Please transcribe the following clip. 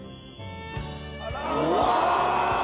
うわ！